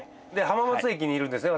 浜松駅にいるんですね